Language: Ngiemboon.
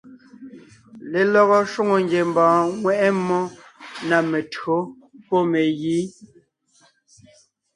Lelɔgɔ shwòŋo ngiembɔɔn ŋweʼe mmó na mentÿǒ pɔ́ megǐ.